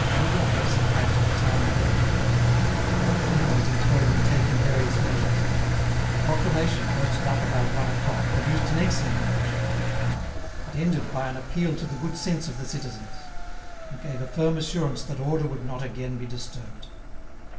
Rougon hastened back to the town hall. The afternoon was employed in taking various measures. The proclamation posted up about one o'clock produced an excellent impression. It ended by an appeal to the good sense of the citizens, and gave a firm assurance that order would not again be disturbed.